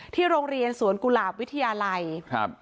โรงเรียนสวนกุหลาบวิทยาลัยครับ